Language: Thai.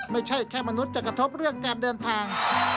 ไม่ใช่แค่มนุษย์จะกระทบเรื่องการเดินทาง